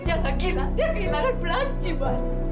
dia gak gila dia kehilangan beranji mbak